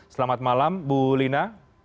selamat malam bu lina